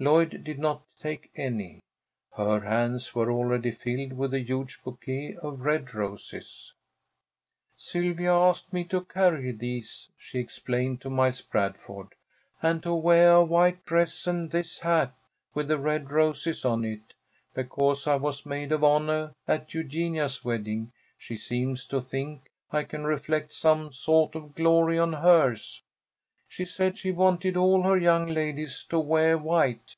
Lloyd did not take any. Her hands were already filled with a huge bouquet of red roses. "Sylvia asked me to carry these," she explained to Miles Bradford, "and to weah a white dress and this hat with the red roses on it. Because I was maid of honah at Eugenia's wedding she seems to think I can reflect some sawt of glory on hers. She said she wanted all her young ladies to weah white."